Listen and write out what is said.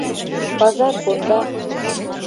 Пазар конда.